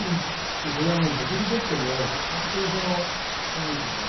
それはもう僕にとっても本当にそのなんていうのかな